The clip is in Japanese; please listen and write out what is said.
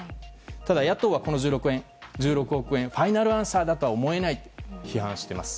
ただ、野党はこの１６億円をファイナルアンサーだとは思えないと批判しています。